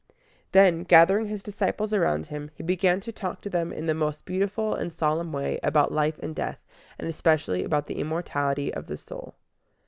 Then, gathering his disciples around him, he began to talk to them in the most beautiful and solemn way about life and death, and especially about the immortality of the soul.